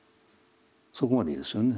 そこまでいいですよね。